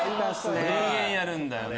延々やるんだよね。